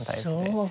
そう。